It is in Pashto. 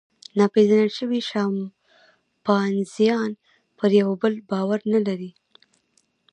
ناپېژندل شوي شامپانزیان پر یوه بل باور نهلري.